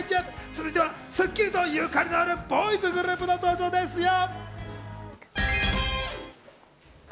続いては『スッキリ』とゆかりのあるボーイズグループの登場ですよ。